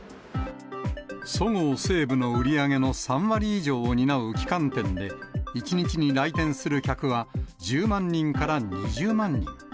そごう・西武の売り上げの３割以上を担う旗艦店で、１日に来店する客は、１０万人から２０万人。